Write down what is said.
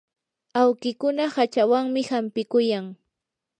awkikuna hachawanmi hampikuyan.